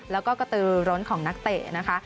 แล้วก็กระตือร้นของนักเตะนะคะ